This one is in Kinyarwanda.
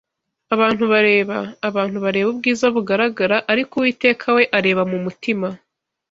abantu bareba; abantu bareba ubwiza bugaragara, ariko Uwiteka we areba mu mutima”